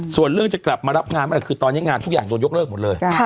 ส่วนเรื่องจะกลับมารับงานอะไรคือตอนนี้งานทุกอย่างโดนยกเลิกหมดเลย